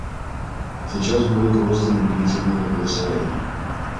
Сейчас будут розданы бюллетени для голосования.